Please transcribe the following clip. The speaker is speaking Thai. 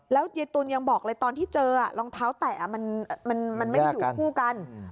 แล้วเยอะตุ๋นยังบอกเลยตอนที่เจอรองเท้าแตะ